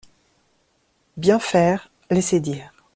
Bien faire, laisser dire